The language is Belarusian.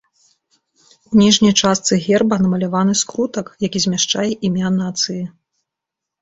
У ніжняй частцы герба намаляваны скрутак, які змяшчае імя нацыі.